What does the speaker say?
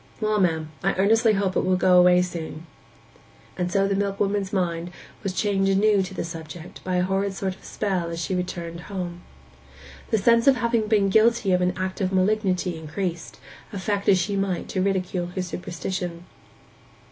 'Well, ma'am, I earnestly hope it will go away soon.' And so the milkwoman's mind was chained anew to the subject by a horrid sort of spell as she returned home. The sense of having been guilty of an act of malignity increased, affect as she might to ridicule her superstition.